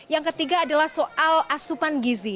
yang ketiga adalah soal asupan gizi